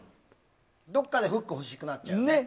どこかでフックが欲しくなっちゃう。